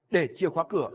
để chiều khóa cửa